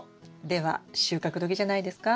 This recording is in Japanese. では収穫時じゃないですか？